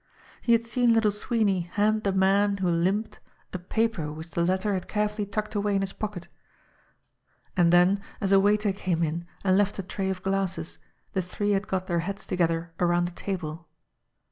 He had seen Little Sweeney hand the man who THREADS 49 limped a paper which the latter had carefully tucked away in his pocket ; and then, as a waiter came in and left a tray of glasses, the three had got their heads together around a table.